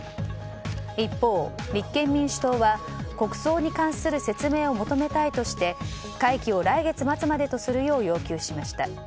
一方、立憲民主党は国葬に関する説明を求めたいとして会期を来月末までとするよう要求しました。